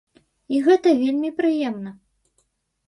І гэта вельмі прыемна.